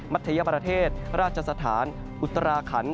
ัธยประเทศราชสถานอุตราขัน